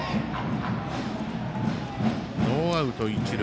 ノーアウト、一塁。